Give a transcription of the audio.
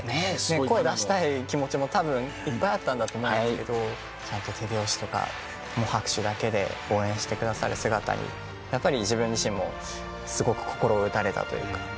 声出したい気持ちもたぶんいっぱいあったんだと思うんですけど手拍子とか拍手だけで応援してくださる姿にやっぱり自分自身もすごく心を打たれたというか。